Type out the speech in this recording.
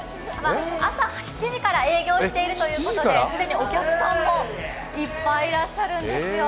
朝７時から営業しているということで既にお客さんもいっぱいいらっしゃるんですよ。